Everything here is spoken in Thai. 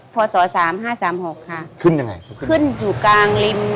พศสามห้าสามหกค่ะขึ้นยังไงขึ้นขึ้นอยู่กลางริม